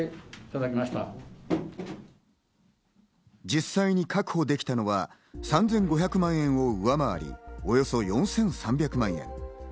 実際に確保できたのは３５００万円を上回り、およそ４３００万円。